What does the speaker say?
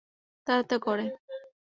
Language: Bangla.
তারা তা করে।